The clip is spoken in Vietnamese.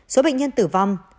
số bệnh nhân tử vong